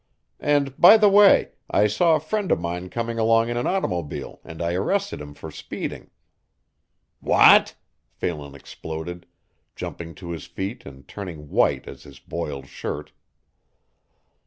And, by the way, I saw a friend of mine coming along in an automobile and I arrested him for speeding." "What!" Phelan exploded, jumping to his feet and turning white as his boiled shirt.